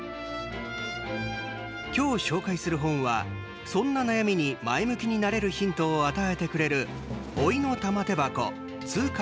今日、紹介する本はそんな悩みに前向きになれるヒントを与えてくれる「老いの玉手箱‐痛快！